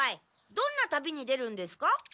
どんな旅に出るんですか？